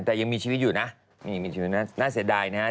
แต่ยังมีชีวิตอยู่นะน่าเศษใดนะฮะ